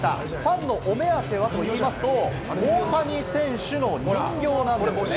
ファンのお目当てはと言いますと、大谷選手の人形なんです。